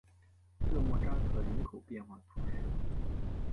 热莫扎克人口变化图示